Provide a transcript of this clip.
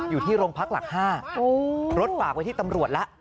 อยู่ที่โรงพักหลัก๕รถฝากไว้ที่ตำรวจแล้ว